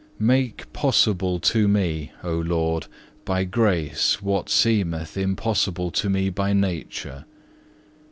5. Make possible to me, O Lord, by grace what seemeth impossible to me by nature.